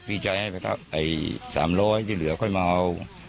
พี่ชายให้ไปครับไอ้๓๐๐ที่เหลือค่อยมาเอา